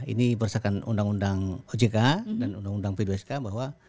ini berdasarkan undang undang ojk dan undang undang p dua sk bahwa